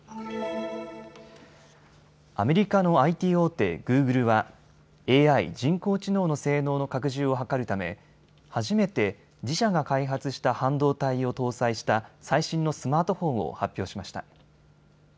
アメリカのＩＴ大手、グーグルはＡＩ・人工知能の性能の拡充を図るため初めて自社が開発した半導体を搭載した最新のスマートフォンを発表しました。